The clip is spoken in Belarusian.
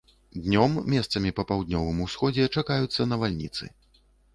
Днём месцамі па паўднёвым усходзе чакаюцца навальніцы.